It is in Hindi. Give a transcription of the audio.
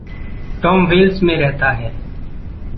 टॉम वेल्स में रहता है।